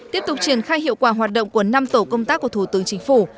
tiếp tục triển khai hiệu quả hoạt động của năm tổ công tác của thủ tướng chính phủ